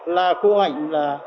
là cô hạnh là